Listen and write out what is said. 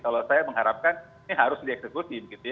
kalau saya mengharapkan ini harus dieksekusi